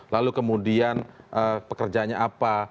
lalu kemudian pekerjaannya apa